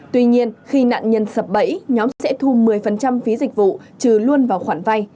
tuy nhiên khi nạn nhân sập bẫy nhóm sẽ thu một mươi phí dịch vụ trừ luôn vào khoản vay